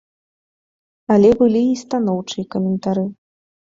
Але былі і станоўчыя каментары.